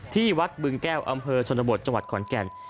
ที่วัดบึงแก้วอำเภอชนบทจังหวัดขอนแก่น